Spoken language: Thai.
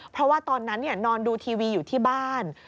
เพราะว่าตอนนั้นนอนดูทีวีอยู่ที่บ้าน